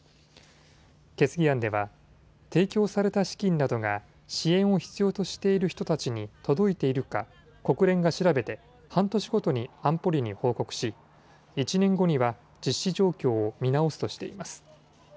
決議案では提供され貸金などが支援を必要としている人たちに届いているか国連が調べて半年ごとに安保理に報告し１年後には実施状況を見直すとしています。